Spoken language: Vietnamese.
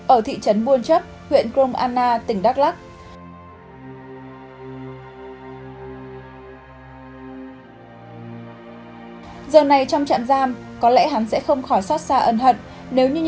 ở thị trấn buôn chấp huyện thịnh